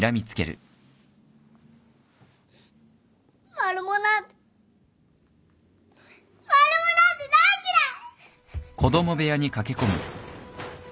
マルモなんてマルモなんて大嫌い。